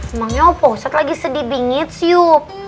emangnya pak ustadz lagi sedih bingit siup